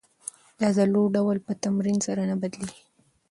د عضلو ډول په تمرین سره نه بدلېږي.